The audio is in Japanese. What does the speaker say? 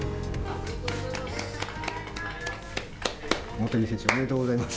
大谷選手、おめでとうございます。